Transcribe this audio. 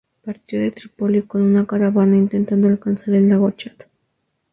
Partió de Trípoli con una caravana, intentando alcanzar el lago Chad.